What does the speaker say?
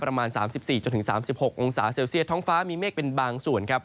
ประมาณ๓๔๓๖องศาเซลเซียตท้องฟ้ามีเมฆเป็นบางส่วนครับ